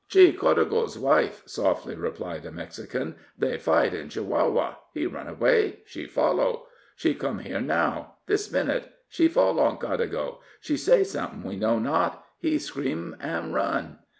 "She Codago's wife," softly replied a Mexican. "They fight in Chihuahua he run away she follow. She come here now this minute she fall on Codago she say something, we know not he scream an' run."